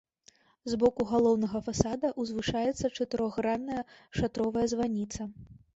З боку галоўнага фасада ўзвышаецца чатырохгранная шатровая званіца.